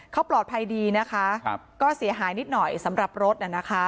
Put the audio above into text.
เขาปลอดภัยดีนะคะก็เสียหายนิดหน่อยสำหรับรถน่ะนะคะ